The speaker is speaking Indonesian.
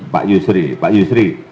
pak yusri pak yusri